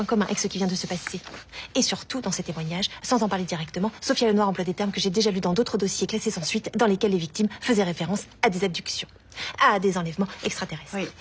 はい。